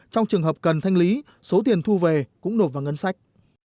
trong trường hợp cần thanh lý số tiền thu về cũng nộp vào ngân sách